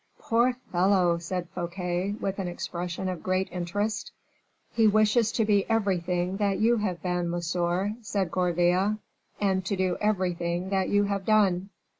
"Poor fellow!" said Fouquet, with an expression of great interest. "He wishes to be everything that you have been, monsieur," said Gourville, "and to do everything that you have done."